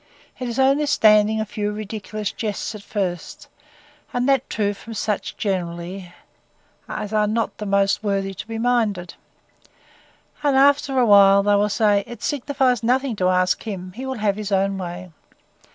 It is only standing a few ridiculous jests at first, and that too from such, generally, as are not the most worthy to be minded; and, after a while, they will say, It signifies nothing to ask him: he will have his own way.